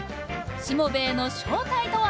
しもべえの正体とは？